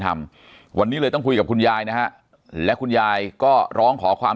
ทำวันนี้เลยต้องคุยกับคุณยายนะฮะและคุณยายก็ร้องขอความ